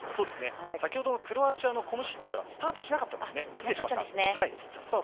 先ほどのクロアチアのコムシッチはスタートしなかったんですね。